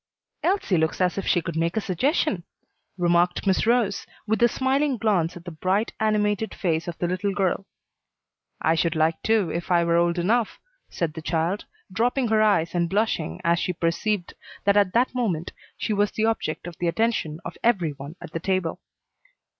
"Elsie looks as if she could make a suggestion," remarked Miss Rose, with a smiling glance at the bright, animated face of the little girl. "I should like to if I were old enough," said the child, dropping her eyes and blushing as she perceived that at that moment she was the object of the attention of every one at the table.